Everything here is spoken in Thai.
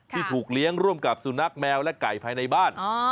ที่ถูกเลี้ยงร่วมกับสุนัขแมวและไก่ภายในบ้าน